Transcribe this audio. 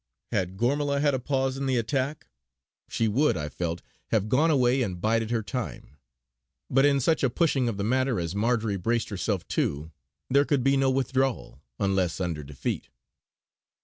Had Gormala had a pause in the attack she would, I felt, have gone away and bided her time: but in such a pushing of the matter as Marjory braced herself to, there could be no withdrawal, unless under defeat.